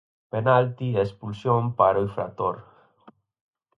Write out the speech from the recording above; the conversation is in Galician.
Penalti e expulsión para o infractor.